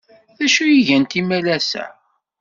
D acu ay gant imalas-a?